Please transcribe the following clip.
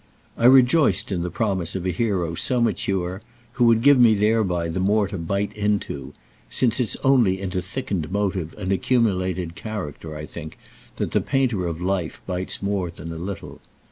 I rejoiced in the promise of a hero so mature, who would give me thereby the more to bite into—since it's only into thickened motive and accumulated character, I think, that the painter of life bites more than a little.